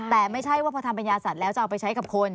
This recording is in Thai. แต่ไม่ใช่ว่าพอทำเป็นยาสัตว์แล้วจะเอาไปใช้กับคน